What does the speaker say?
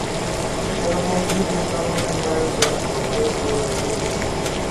تمو جیبو کامن وایئس جا موݜو تھے تے۔